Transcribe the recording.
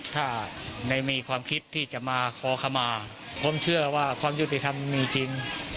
ถ้าในมีความคิดที่จะมาขอขมาผมเชื่อว่าความยุติธรรมมีจริง